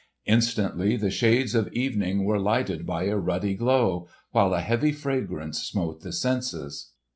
Instantly the shades of evening were lighted by a ruddy glow, while a heavy fragrance smote the senses.